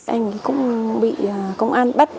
anh cũng bị công an bắt